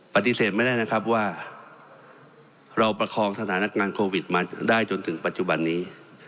ปฏิเสธไม่ได้นะครับว่าเราประคองสถานการณ์โควิดมาได้จนถึงปัจจุบันนี้